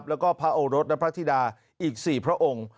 แล้วก็พระโอรสและพระธิดาอีก๔พระองค์